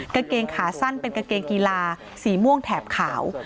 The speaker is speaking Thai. กางเกงขาสั้นเป็นกางเกงกีฬาสีม่วงแถบขาว